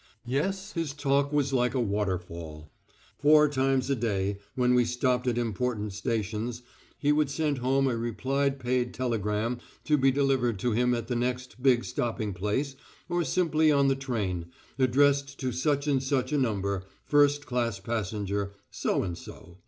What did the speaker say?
Yes, his talk was like a waterfall. Four times a day, when we stopped at important stations, he would send home a reply paid telegram to be delivered to him at the next big stopping place or simply on the train, addressed to such and such a number, first class passenger. So and so....